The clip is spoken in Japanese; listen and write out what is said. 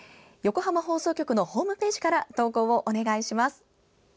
横浜放送局のホームページから投稿をお願いします。